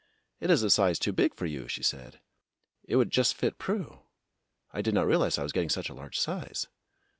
"It is a size too big for you," she said. "It would just fit Prue. I did not realize I was getting such a large size."